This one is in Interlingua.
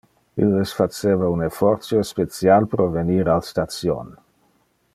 Illes faceva un effortio special pro venir al station.